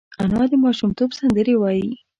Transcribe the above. انا د ماشومتوب سندرې وايي